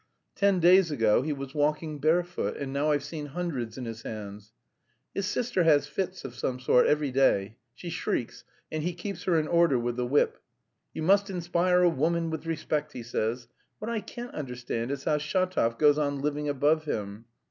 Ten days ago he was walking barefoot, and now I've seen hundreds in his hands. His sister has fits of some sort every day, she shrieks and he 'keeps her in order' with the whip. You must inspire a woman with respect, he says. What I can't understand is how Shatov goes on living above him.